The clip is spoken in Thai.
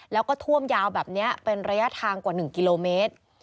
แล้วก็ท่วมยาวแบบนี้เป็นระยะทางกว่า๑กิโลเมตร